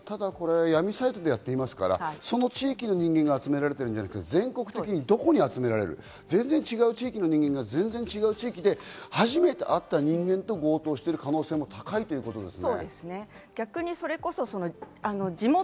闇サイトでやっていますから、その地域の人間が集められているんじゃなくて、全国的にどこで集められる、全然違う地域の人間が初めて会った人間と強盗をしている可能性も高いということですね。